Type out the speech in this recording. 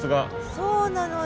そうなのよ。